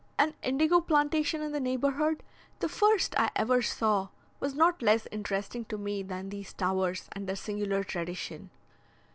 An indigo plantation in the neighbourhood, the first I ever saw, was not less interesting to me than these towers and their singular tradition.